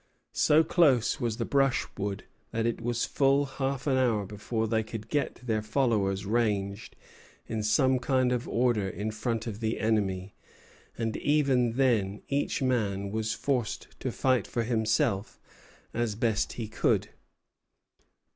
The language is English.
So close was the brushwood that it was full half an hour before they could get their followers ranged in some kind of order in front of the enemy; and even then each man was forced to fight for himself as best he could.